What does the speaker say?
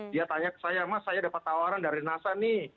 dia tanya ke saya mas saya dapat tawaran dari nasa nih